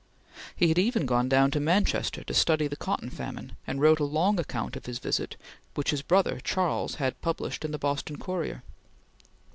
He had even gone down to Manchester to study the cotton famine, and wrote a long account of his visit which his brother Charles had published in the Boston Courier.